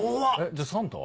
じゃあサンタは？